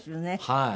はい。